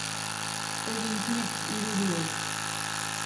Egin klik irudian.